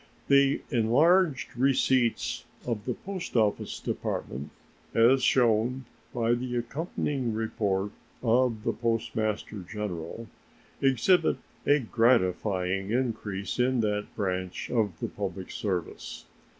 The enlarged receipts of the Post Office Department, as shown by the accompanying report of the Postmaster General, exhibit a gratifying increase in that branch of the public service.